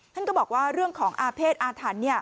นั่นก็บอกว่าเรื่องของอาเภษอาธรรมเนี้ย